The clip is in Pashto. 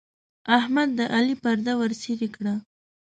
احمد د علي پرده ورڅيرې کړه.